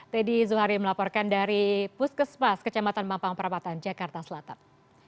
teddy zuhari melaporkan dari puskesmas kecamatan mampang perapatan jakarta selatan